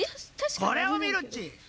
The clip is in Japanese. これをみるっち。